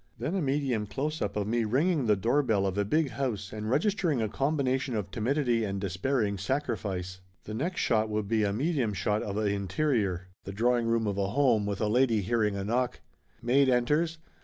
Then a medium close up of me ringing the doorbell of a big house and registering a combination of timidity and despairing sacrifice. The next shot would be a medium shot of a interior the drawing room of a home, with a lady hearing a knock. Maid enters.